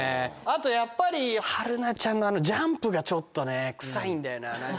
あとやっぱり春菜ちゃんのあのジャンプがちょっとねくさいんだよな。